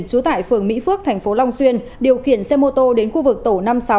chú tải phường mỹ phước tp long xuyên điều khiển xe mô tô đến khu vực tổ năm sáu